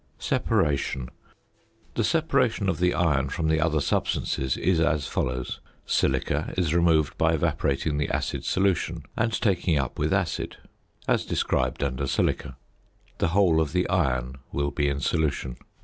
~Separation.~ The separation of the iron from the other substances is as follows: Silica is removed by evaporating the acid solution, and taking up with acid, as described under Silica; the whole of the iron will be in solution.